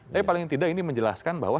tapi paling tidak ini menjelaskan bahwa